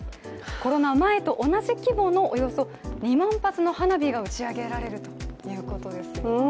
コロナ前と同じ規模のおよそ２万発の花火が打ち上げられるということです。